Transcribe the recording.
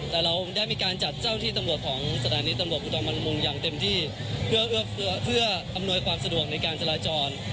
แต่เราได้มีการจัดเจ้าที่ตำรวจของสถานีตำรวจอุดรมันมุงอย่างเต็มที่เพื่ออำนวยความสะดวกในการจราจร